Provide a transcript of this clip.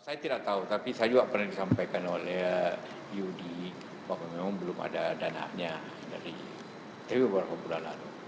saya tidak tahu tapi saya juga pernah disampaikan oleh yudi bahwa memang belum ada dananya tapi beberapa bulan lalu